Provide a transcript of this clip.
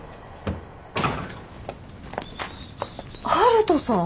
悠人さん！